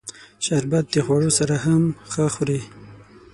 شربت د خوړو سره هم ښه خوري